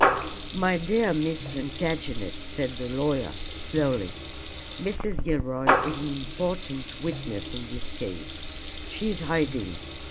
"My dear Miss Plantagenet," said the lawyer, slowly, "Mrs. Gilroy is an important witness in this case. She is hiding.